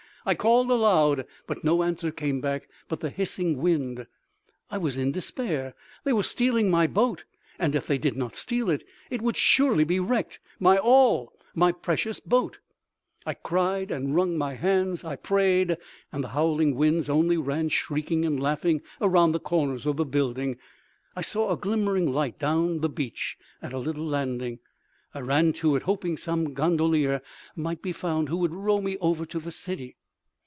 I called aloud, but no answer came back but the hissing wind. I was in despair—they were stealing my boat, and if they did not steal it, it would surely be wrecked—my all, my precious boat! I cried and wrung my hands. I prayed! And the howling winds only ran shrieking and laughing around the corners of the building. I saw a glimmering light down the beach at a little landing. I ran to it, hoping some gondolier might be found who would row me over to the city.